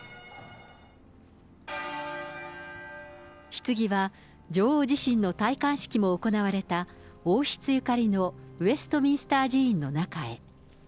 ひつぎは女王自身の戴冠式も行われた、王室ゆかりのウェストミンスター寺院の中へ。